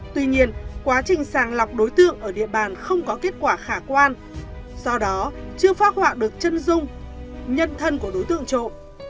tuy nhiên quá trình sàng lọc đối tượng ở địa bàn không có kết quả khả quan do đó chưa phát họa được chân dung nhân thân của đối tượng trộm